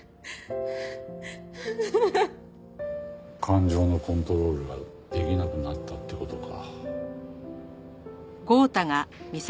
感情のコントロールができなくなったって事か。